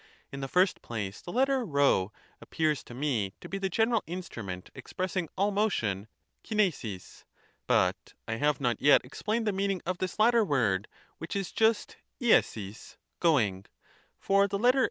In the first place, the letter p appears to me to be the general instrument expressing all motion {KivrjOK;). But I have not yet explained the meaning of this latter word, which is just Ieok; (going) ; for the letter